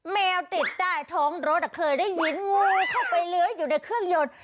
แมวติดใต้ท้องรถเคยได้ยินงูเข้าไปเลื้อยอยู่ในเครื่องยนต์